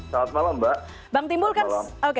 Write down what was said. selamat malam mbak